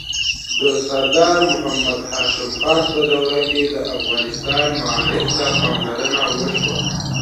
د سردار محمد هاشم خان په دوره کې د افغانستان معارف ته پاملرنه وشوه.